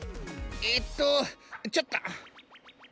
えっとちょっと。